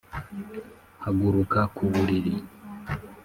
haguruka ku buriri.